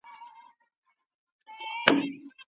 متخصص استادان د کورني ژوند مشورې ورکوي.